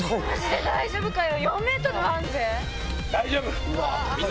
大丈夫。